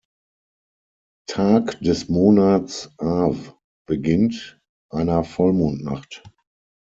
Tag des Monats Aw beginnt, einer Vollmondnacht.